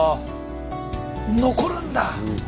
残るんだ！